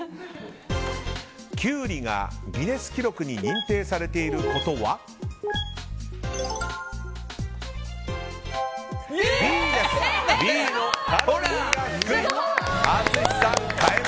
キュウリがギネス記録に認定されていることはＢのカロリーが低い。